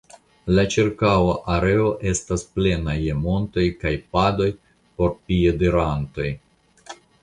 La ĉirkaŭa areo estas plena je montoj kaj padoj por piedirantoj.